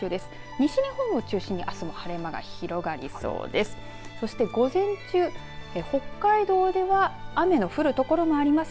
西日本を中心に、あすも晴れ間が広がりそうです。